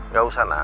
gak usah nak